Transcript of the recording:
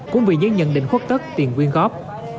cũng vì những nhận định khuất tất tiền quyên góp